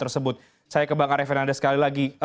saya ke bang arya fernandez sekali lagi